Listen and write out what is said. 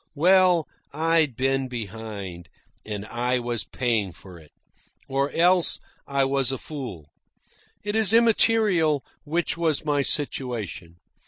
Well, I'd been behind, and I was paying for it. Or else I was a fool. It is immaterial which was my situation.